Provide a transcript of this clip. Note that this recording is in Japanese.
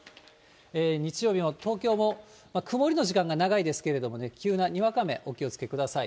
日曜日、東京も曇りの時間が長いですけれどもね、急なにわか雨、お気をつけください。